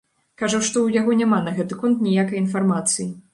Кажа, што ў яго няма на гэты конт ніякай інфармацыі.